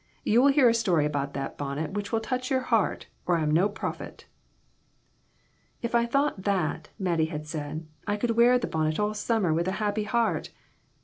You will hear a story about that bonnet which will touch your heart, or I am no prophet." "If I thought that," Mattie had said, "I could wear the bonnet all summer with a happy heart.